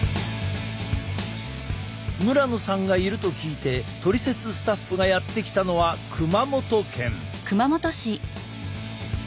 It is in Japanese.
村野さんがいると聞いて「トリセツ」スタッフがやって来たのは熊本県。